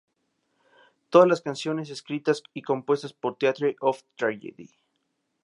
Todas las canciones escritas y compuestas por Theatre Of Tragedy.